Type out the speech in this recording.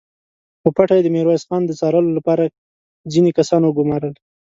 خو په پټه يې د ميرويس خان د څارلو له پاره ځينې کسان وګومارل!